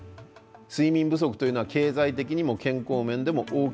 睡眠不足というのは経済的にも健康面でも大きな損失です。